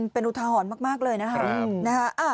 เป็นอุทาหรณ์มากเลยนะครับ